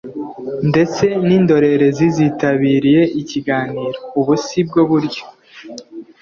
ndetse n’indorerezi zitabiriye ikiganiro. Ubu si bwo buryo